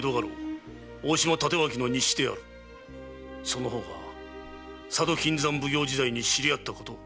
その方が佐渡金山奉行時代に知り合ったこと。